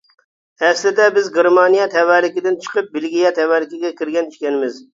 ئەسلىدە بىز گېرمانىيە تەۋەلىكىدىن چىقىپ بېلگىيە تەۋەلىكىگە كىرگەن ئىكەنمىز.